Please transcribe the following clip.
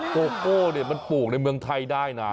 โกโก้มันปลูกในเมืองไทยได้นะ